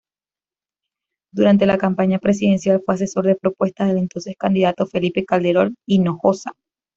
Durante la campaña presidencial fue asesor de propuesta del entonces candidato Felipe Calderón Hinojosa.